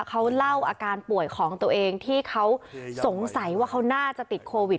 เขาเล่าอาการป่วยของตัวเองที่เขาสงสัยว่าเขาน่าจะติดโควิด